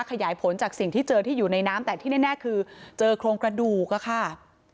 ขยายผลจากสิ่งที่เจอที่อยู่ในน้ำแต่ที่แน่คือเจอโครงกระดูกอะค่ะ